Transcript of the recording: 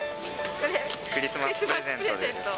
クリスマスプレゼントです。